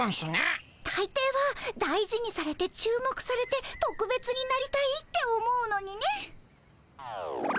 たいていは大事にされて注目されてとくべつになりたいって思うのにね。